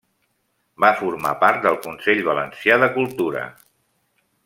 Va formar part del Consell Valencià de Cultura.